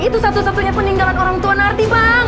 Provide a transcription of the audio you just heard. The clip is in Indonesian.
itu satu satunya peninggalan orang tua nanti bang